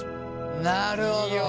なるほど。